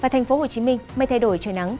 thành phố hồ chí minh mây thay đổi trời nắng